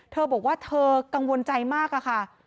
เธอบอกว่าเธอกังวลใจมากอะค่ะ